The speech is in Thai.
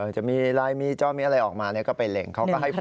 จะมีลายมีจ้อมีอะไรออกมาก็ไปเล็งเขาก็ให้พูด